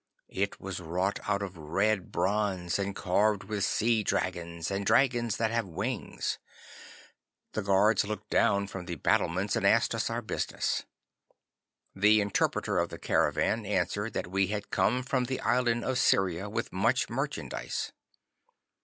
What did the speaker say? It was wrought out of red bronze, and carved with sea dragons and dragons that have wings. The guards looked down from the battlements and asked us our business. The interpreter of the caravan answered that we had come from the island of Syria with much merchandise.